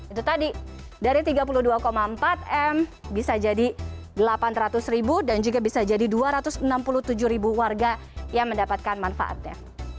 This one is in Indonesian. itu tadi dari tiga puluh dua empat m bisa jadi delapan ratus ribu dan juga bisa jadi dua ratus enam puluh tujuh ribu warga yang mendapatkan manfaatnya